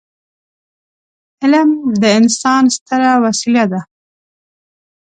علم د انسان ستره وسيله ده.